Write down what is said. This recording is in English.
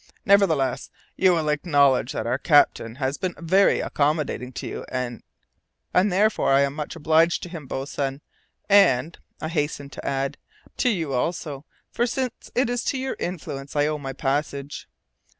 Nevertheless, you will acknowledge that our captain has been very accommodating to you, and " "And therefore I am much obliged to him, boatswain, and," I hastened to add, "to you also; since it is to your influence I owe my passage."